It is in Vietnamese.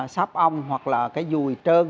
sáp ong hoặc là cái dùi trơn